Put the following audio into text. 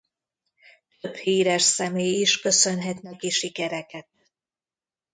Több híres személy is köszönhet neki sikereket.